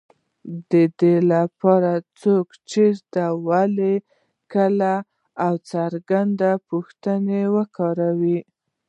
دې لپاره، څوک، چېرته، ولې، کله او څرنګه پوښتنې وکاروئ.